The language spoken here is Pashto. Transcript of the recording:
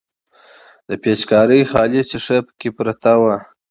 د پيچکارۍ خالي ښيښه پکښې پرته وه.